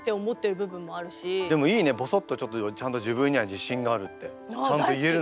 でもいいねぼそっとちゃんと「自分には自信がある」ってちゃんと言えるのが。